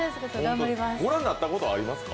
ご覧になったことはありますか？